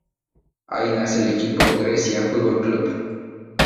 Ahí nace el equipo Grecia Fútbol Club.